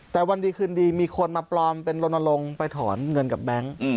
แต่วันดีคืนดีมีคนมาปลอมเป็นลนลงไปถอนเงินกับแบงค์